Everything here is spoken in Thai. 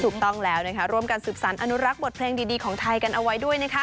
ถูกต้องแล้วร่วมกันสืบสารอนุรักษ์บทเพลงดีของไทยกันเอาไว้ด้วย